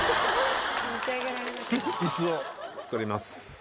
イスを作ります。